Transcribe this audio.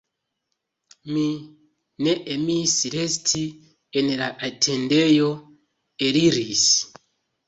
Mi ne emis resti en la atendejo, eliris.